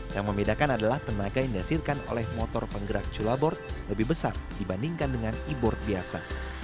yang membedakan adalah tenaga yang dihasilkan oleh motor penggerak cula board lebih besar dibandingkan dengan e board biasa